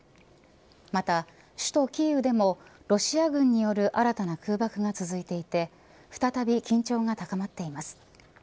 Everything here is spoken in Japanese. また首都キーウでもロシア軍による新たな空爆が続いていて￥再び緊張が高まってます。